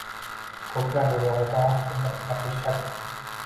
Ko`plar bu borada og`iz to`ldirib gapirishadi